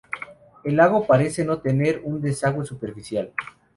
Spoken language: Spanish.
El lago parece no tener un desagüe superficial.